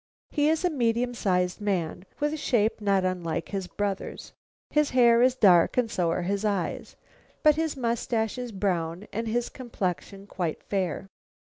He is a medium sized man, with a shape not unlike his brother's. His hair is dark and so are his eyes, but his moustache is brown and his complexion quite fair.